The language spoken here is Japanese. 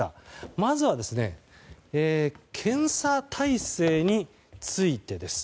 まずは検査体制についてです。